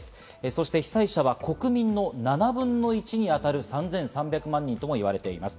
そして被災者は国民の７分の１に当たる３３００万人ともいわれています。